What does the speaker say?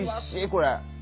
これ。